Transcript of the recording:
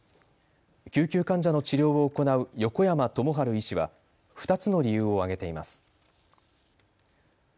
救急患者の治療を行う横山智仁医師は２つの理由を挙げています。